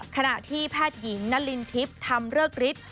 ขณะที่แพทย์หญิงนารินทิพย์ทำเริกฤทธิ์